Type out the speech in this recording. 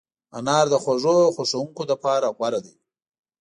انار د خوږو خوښونکو لپاره غوره دی.